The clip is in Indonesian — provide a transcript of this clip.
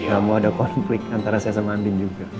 gak mau ada konflik antara saya sama andin juga